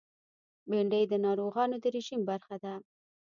بېنډۍ د ناروغانو د رژیم برخه ده